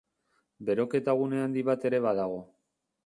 Beroketa gune handi bat ere badago.